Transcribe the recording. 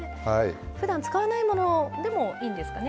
ふだん使わないものでもいいんですかね。